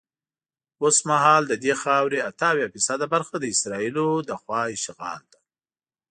اوسمهال ددې خاورې اته اویا فیصده برخه د اسرائیلو له خوا اشغال ده.